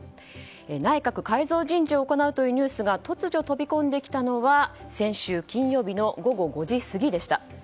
内閣改造人事を行うというニュースが突如飛び込んできたのは先週金曜日の午後５時過ぎでした。